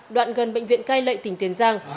đoạn gần bệnh viện cai lệ tỉnh tiền giang